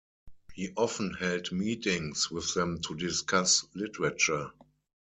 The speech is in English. He often held meetings with them to discuss literature.